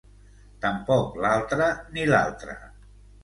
Tampoc l'altra ni l'altra.